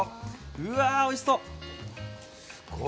うわ、おいしそ。